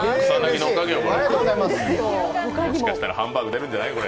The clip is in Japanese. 草薙のおかげよ、もしかしたらハンバーグ出るんじゃない。